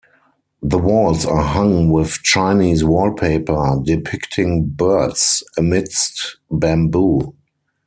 The walls are hung with Chinese wallpaper depicting birds amidst bamboo.